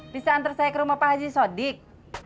bisa antar saya ke rumah pak haji sodik